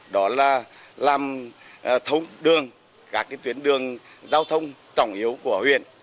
đó là làm thống đường các tuyến đường giao thông trọng yếu của huyện